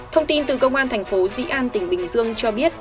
thông tin từ công an thành phố dĩ an tỉnh bình dương cho biết